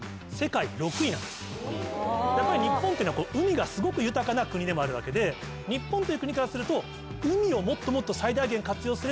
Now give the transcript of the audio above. やっぱり日本っていうのは海がすごく豊かな国でもあるわけで日本という国からすると。